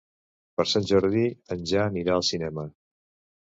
Per Sant Jordi en Jan irà al cinema.